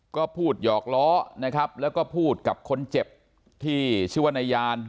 ก็พูดหยอกล้อนะครับแล้วก็พูดกับคนเจ็บที่ชื่อว่านายาน